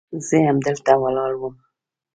زه همدلته ولاړ وم.